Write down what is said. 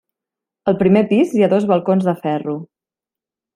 Al primer pis hi ha dos balcons de ferro.